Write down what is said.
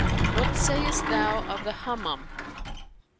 what sayest thou of the Hammam?"